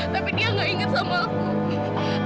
tapi dia gak inget sama aku